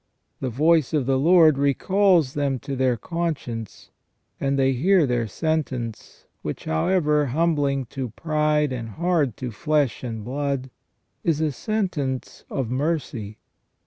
The voice of the Lord recalls them to their conscience, and they hear their sentence, which, however humbling to pride and hard to flesh and blood, is a sentence of mercy.